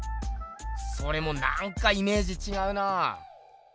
それもなんかイメージ違うなぁ。